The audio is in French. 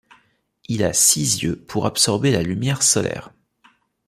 Il a six yeux pour absorber la lumière solaire.